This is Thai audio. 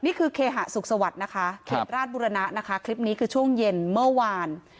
นี่คือเคหะสุขสวัสดิ์นะคะเขตราชบุรณะนะคะคลิปนี้คือช่วงเย็นเมื่อวาน